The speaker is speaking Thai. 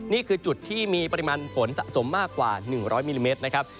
นี่คือจุดที่มีปริมาณฝนสะสมมากกว่า๑๐๐มิลลิเมตรนะครับ